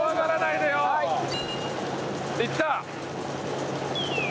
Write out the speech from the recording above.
いった！